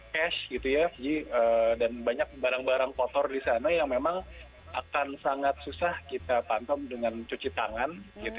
cash gitu ya dan banyak barang barang kotor di sana yang memang akan sangat susah kita pantau dengan cuci tangan